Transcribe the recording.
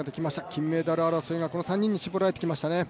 金メダル争いがこの３人に絞られてきましたね。